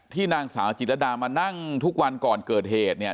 นางสาวจิตรดามานั่งทุกวันก่อนเกิดเหตุเนี่ย